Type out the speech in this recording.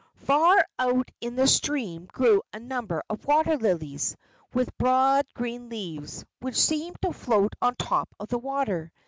Far out in the stream grew a number of water lilies, with broad green leaves, which seemed to float on the top of the water.